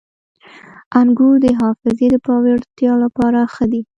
• انګور د حافظې د پیاوړتیا لپاره ښه دي.